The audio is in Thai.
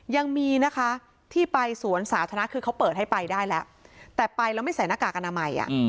ยังมีนะคะที่ไปสวนสาธารณะคือเขาเปิดให้ไปได้แล้วแต่ไปแล้วไม่ใส่หน้ากากอนามัย